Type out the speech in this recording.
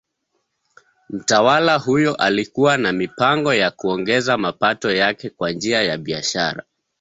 Mtawala huyo alikuwa na mipango ya kuongeza mapato yake kwa njia ya biashara.